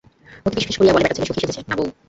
মতি ফিসফিস করিয়া বলে, ব্যাটাছেলে সখি সেজেছে, না বৌ?